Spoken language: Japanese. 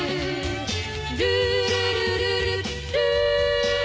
「ルールルルルルー」